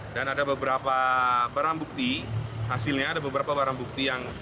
dan ada beberapa barang bukti hasilnya ada beberapa barang bukti yang